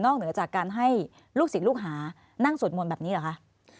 เหนือจากการให้ลูกศิษย์ลูกหานั่งสวดมนต์แบบนี้เหรอคะ